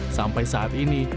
sampai saat ini